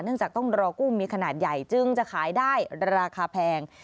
จากต้องรอกุ้งมีขนาดใหญ่จึงจะขายได้ราคาแพง